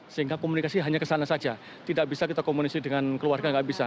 sehingga komunikasi hanya ke sana saja tidak bisa kita komunikasi dengan keluarga tidak bisa